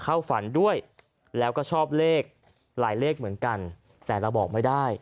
เข้าฝันด้วยแล้วก็ชอบเลขหลายเลขเหมือนกันแต่เราบอกไม่ได้